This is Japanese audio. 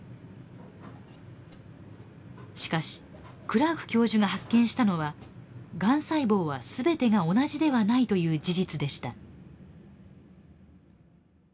しかしクラーク教授が発見したのはがん細胞はすべてが同じではないという事実でした。